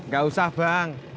gak usah bang